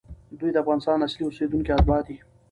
دوی د افغانستان اصلي اوسېدونکي، اتباع دي،